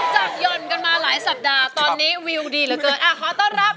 สวัสดีครับ